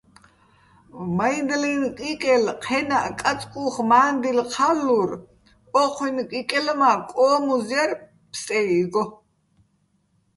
მაჲნდლენ კიკელ ჴენაჸ, კაწკუ́ხ მა́ნდილ ჴალლურ, ო́ჴუჲნ კიკელ მა́ კო́მუზ ჲარ ფსტე́იგო.